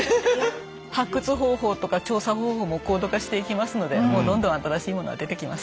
発掘方法とか調査方法も高度化していきますのでもうどんどん新しいものは出てきます。